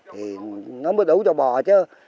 thì nó mới đủ cho bò chứ